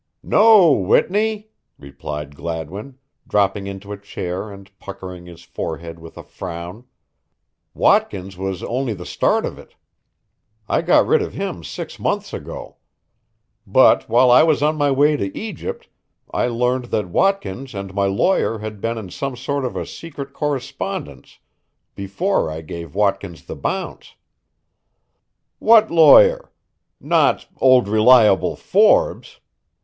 "No, Whitney," replied Gladwin, dropping into a chair and puckering his forehead with a frown. "Watkins was only the start of it. I got rid of him six months ago. But while I was on my way to Egypt I learned that Watkins and my lawyer had been in some sort of a secret correspondence before I gave Watkins the bounce." "What lawyer? Not 'Old Reliable' Forbes?